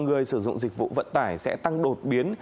người sử dụng dịch vụ vận tải sẽ tăng đột biến